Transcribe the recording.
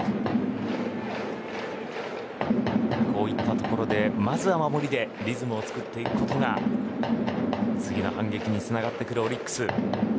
こういったところでまずは守りでリズムをつくっていくことが次の反撃につながってくるオリックス。